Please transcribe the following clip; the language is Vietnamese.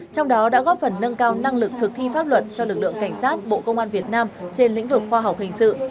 trong đó đã góp phần nâng cao năng lực thực thi pháp luật cho lực lượng cảnh sát bộ công an việt nam trên lĩnh vực khoa học hình sự